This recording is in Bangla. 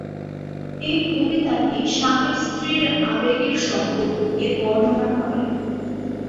এই কবিতাটি স্বামী-স্ত্রীর আবেগের সম্পর্ককে বর্ণনা করে।